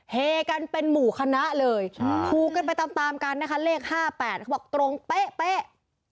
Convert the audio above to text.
เฮกันเป็นหมู่คณะเลยถูกกันไปตามตามกันนะคะเลข๕๘เขาบอกตรงเป๊ะ